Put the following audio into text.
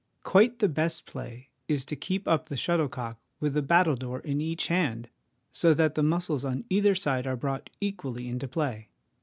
Quite the best play is to keep up the shuttlecock with a battledore in each hand, so that the muscles on either side are brought equally into play.